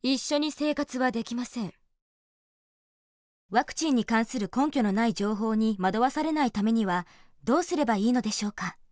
ワクチンに関する根拠のない情報に惑わされないためにはどうすればいいのでしょうか。